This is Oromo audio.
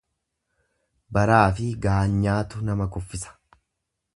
Baraafi gaanyaatu nama kuffisa.